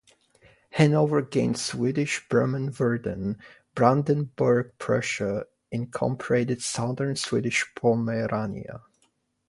Hanover gained Swedish Bremen-Verden, Brandenburg-Prussia incorporated southern Swedish Pomerania.